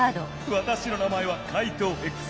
「わたしの名前は怪盗Ｘ。